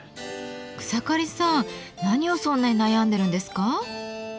草刈さん何をそんなに悩んでるんですか？